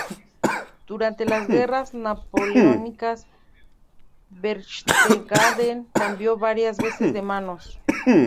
Durante las guerras napoleónicas, Berchtesgaden cambió varias veces de manos.